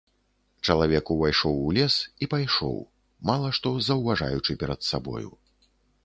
Чалавек увайшоў у лес і пайшоў, мала што заўважаючы перад сабою.